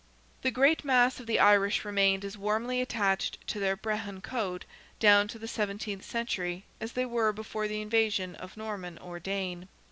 The great mass of the Irish remained as warmly attached to their Brehon code down to the seventeenth century as they were before the invasion of Norman or Dane.